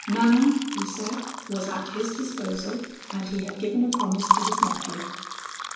'Manon,' he said, 'was at his disposal: and he had given a promise to his nephew.'